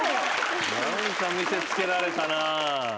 何か見せつけられたなあ。